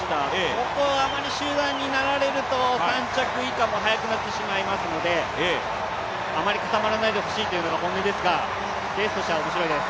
ここはあまり集団になられると３着以下も速くなってしまうのであまり固まらないでほしいというのが本音ですがレースとしては面白いです。